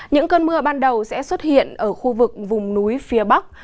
những cơn mưa ban đầu sẽ xuất hiện ở khu vực vùng núi phía bắc